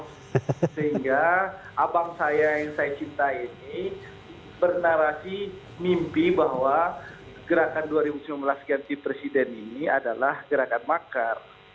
sehingga abang saya yang saya cintai ini bernarasi mimpi bahwa gerakan dua ribu sembilan belas ganti presiden ini adalah gerakan makar